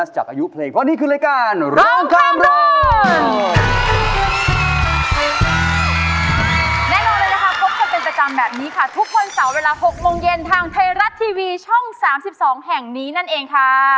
แน่นอนเลยนะคะพบเป็นประจำแบบนี้ค่ะ